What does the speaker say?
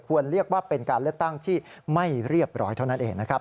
เรียกว่าเป็นการเลือกตั้งที่ไม่เรียบร้อยเท่านั้นเองนะครับ